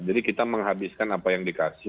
jadi kita menghabiskan apa yang dikasih